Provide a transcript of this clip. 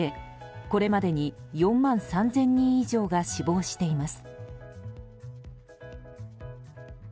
これまでに４万３０００人以上が死亡しています。